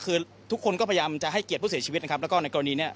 คือทุกคนก็พยายามจะให้เกียรติผู้เสียชีวิตนะครับแล้วก็ในกรณีนี้